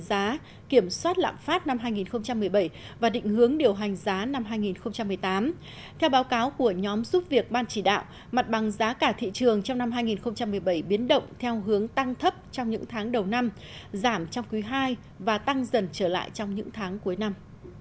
giá kiểm soát lạng phát năm hai nghìn một mươi bảy và định hướng điều hành giá năm hai nghìn một mươi tám theo báo cáo của nhóm giúp việc ban chỉ đạo mặt bằng giá cả thị trường trong năm hai nghìn một mươi bảy biến động theo hướng tăng thấp trong những tháng đầu năm giảm trong cuối hai và tăng dần trở lại trong những tháng cuối năm